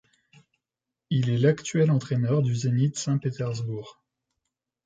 Il est l'actuel entraîneur du Zénith Saint-Pétersbourg.